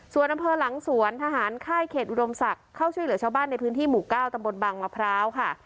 ส่วนอำเภอหลังสวนทหารค่ายเขตอุดมศักดิ์เข้าช่วยเหลือชาวบ้านในพื้นที่หมู่๙ตำบลบังมะพร้าวค่ะ